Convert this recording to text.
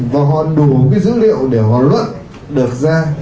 và họ đủ một cái dữ liệu để họ luận được ra